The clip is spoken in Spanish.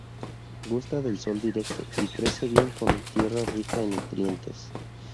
Gusta del sol directo, y crece bien con tierra rica en nutrientes.